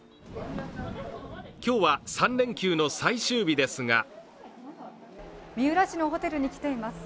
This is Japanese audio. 今日は３連休の最終日ですが三浦市のホテルに来ています。